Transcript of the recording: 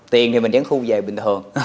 tiền thì mình vẫn thu về bình thường